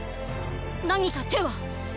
何か手は？